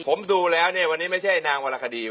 ผมดูแล้วเนี่ยวันนี้ไม่ใช่นางวรคดี